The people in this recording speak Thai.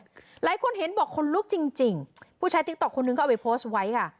หลายคนเห็นบอกคนลุกจริงจริงผู้ใช้ติ๊กต๊คนนึงก็เอาไปโพสต์ไว้ค่ะ